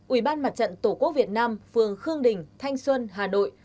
ủy ban mặt trận tổ quốc việt nam phường khương đình thanh xuân hà nội